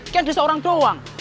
kan ada seorang doang